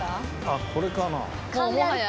あっこれかな？